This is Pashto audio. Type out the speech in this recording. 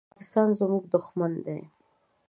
پاکستان زمونږ دوښمن دی